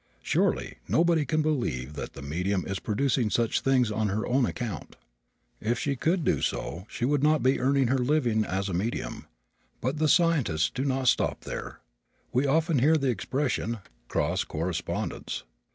Surely nobody can believe that the medium is producing such things on her own account. If she could do so she would not be earning her living as a medium. But the scientists do not stop there. We often hear the expression "cross correspondence."